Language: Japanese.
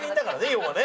要はね。